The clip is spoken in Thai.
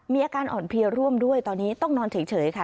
มีอาการอ่อนเพลียร่วมด้วยตอนนี้ต้องนอนเฉยค่ะ